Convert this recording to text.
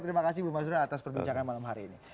terima kasih bu masudra atas perbincangan malam hari ini